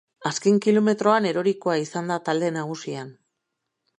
Azken kilometroan erorikoa izan da talde nagusian.